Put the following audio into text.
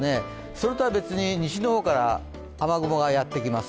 それとは別に西の方から雨雲がやってきます。